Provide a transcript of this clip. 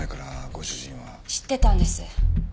知ってたんです。